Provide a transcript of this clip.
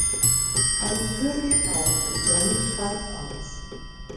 Eine Tür geht auf und Jonny steigt aus.